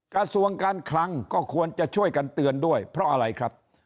กระทรวงการคลังก็ควรจะช่วยกันเตือนด้วยเพราะอะไรครับ